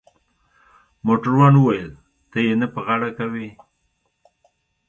موټروان وویل: ته يې نه په غاړه کوې؟